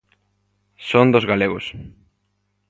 Son dos galegos.